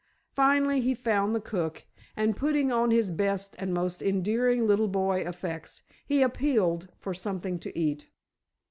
Finally he found the cook, and putting on his best and most endearing little boy effects, he appealed for something to eat.